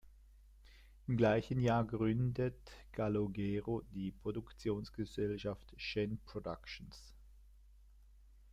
Im gleichen Jahr gründet Calogero die Produktionsgesellschaft "Shen Productions.